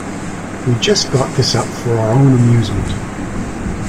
We just got this up for our own amusement.